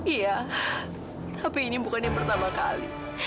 iya tapi ini bukan yang pertama kali